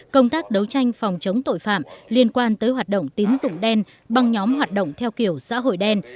công tác đấu tranh phòng chống tội phạm liên quan tới hoạt động tín dụng đen băng nhóm hoạt động theo kiểu xã hội đen